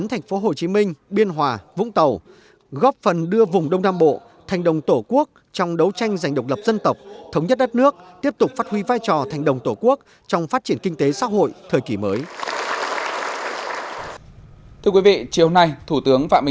hòa vũng tàu góp phần đưa vùng đông nam bộ thành đồng tổ quốc trong đấu tranh giành độc lập dân tộc thống nhất đất nước tiếp tục phát huy vai trò thành đồng tổ quốc trong phát triển kinh tế xã hội thời kỳ mới